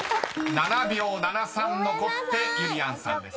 ［７秒７３残ってゆりやんさんです］